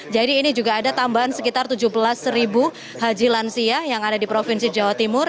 jadi ini juga ada tambahan sekitar tujuh belas haji lansia yang ada di provinsi jawa timur